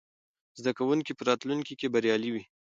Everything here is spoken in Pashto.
زده کوونکي به راتلونکې کې بریالي وي.